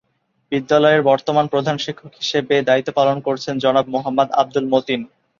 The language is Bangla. বিদ্যালয়ের বর্তমানে প্রধান শিক্ষক হিসেবে দায়িত্ব পালন করছেন জনাব মোহাম্মদ আব্দুল মতিন।